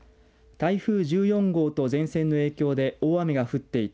台風１４号と前線の影響で大雨が降っていた